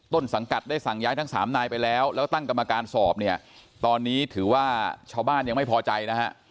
ต้นสังกัดได้สั่งย้ายทั้งสามนายไปแล้วแล้วตั้งกรรมการสอบเนี่ยตอนนี้ถือว่าชาวบ้านยังไม่พอใจนะฮะ